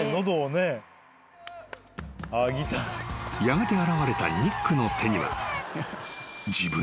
［やがて現れたニックの手には］